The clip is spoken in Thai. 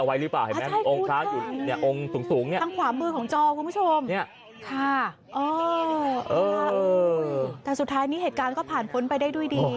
หรือไม่มีองค์พระคราพอยู่